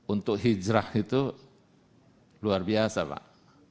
untuk hijrah itu luar biasa pak